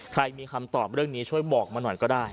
ใครมีคำตอบเรื่องนี้ช่วยบอกมาหน่อยก็ได้